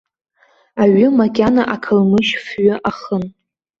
Аҩы макьана ақалмышь фҩы ахын.